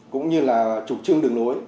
cũng như là chủ trương đường lối